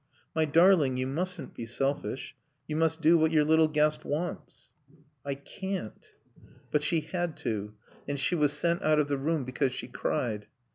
"My darling, you mustn't be selfish. You must do what your little guest wants." "I can't." But she had to; and she was sent out of the room because she cried.